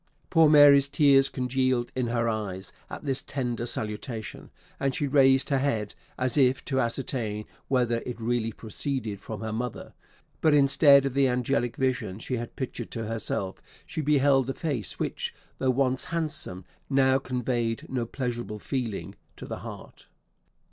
Poor Mary's tears congealed in her eyes at this tender salutation, and she raised her head, as if to as certain whether it really proceeded from her mother; but instead of the angelic vision she had pictured to herself, she beheld a face which, though once handsome, now conveyed no pleasurable feeling to the heart.